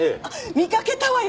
見かけたわよ。